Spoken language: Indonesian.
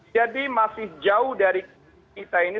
jadi masih jauh dari kita ini